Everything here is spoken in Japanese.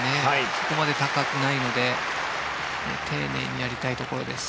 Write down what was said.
そこまで高くないので丁寧にやりたいところです。